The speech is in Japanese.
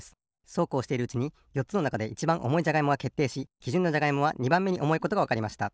そうこうしているうちによっつのなかでいちばんおもいじゃがいもがけっていしきじゅんのじゃがいもは２ばんめにおもいことがわかりました。